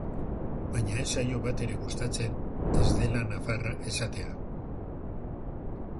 Baina ez zaio batere gustatzen ez dela nafarra esatea.